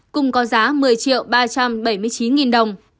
cùng có giá một mươi ba trăm bảy mươi chín đồng